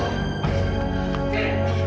mas aya kepada pengembangan